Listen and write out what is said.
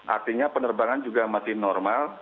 artinya penerbangan juga masih normal